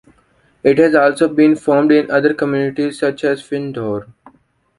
It has also been formed in other communities such as Findhorn.